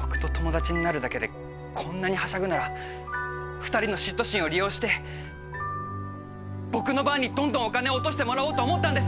僕と友達になるだけでこんなにはしゃぐなら２人の嫉妬心を利用して僕のバーにどんどんお金を落としてもらおうと思ったんです。